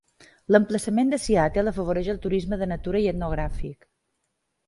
L'emplaçament de Seattle afavoreix el turisme de natura i etnogràfic.